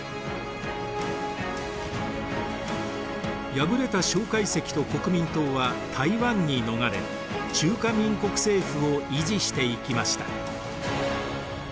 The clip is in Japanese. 敗れた蒋介石と国民党は台湾に逃れ中華民国政府を維持していきました。